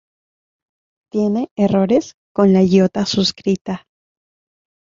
Tiene errores con la iota suscrita.